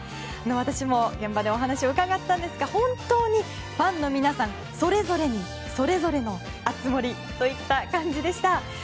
私も、現場でお話を伺ったんですが本当に、ファンの皆さんそれぞれに、それぞれの熱盛といった感じでした。